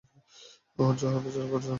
ওহ, যাও বিচারককে গিয়ে জানাও।